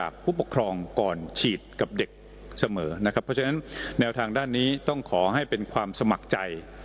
ก็ต้องขอให้เป็นความสมัครใจ